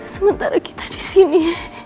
sementara kita disini